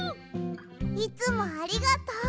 いつもありがとう！